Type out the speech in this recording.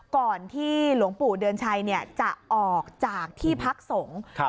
ก่อนที่หลวงปู่เดือนชัยจะออกจากที่พักสงฆ์